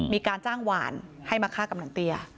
มีการจ้างหวานให้มาฆ่ากำนันเตี้ย